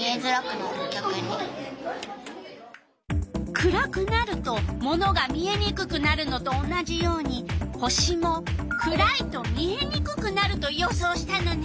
暗くなるとものが見えにくくなるのと同じように星も暗いと見えにくくなると予想したのね。